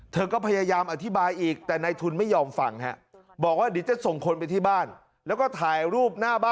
เธอก็พยายามอธิบายอีกแต่นายทุนไม่ยอมฟังนะครับ